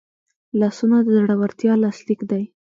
لاسونه د زړورتیا لاسلیک دی